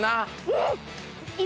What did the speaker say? うん！